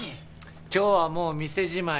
今日はもう店じまい。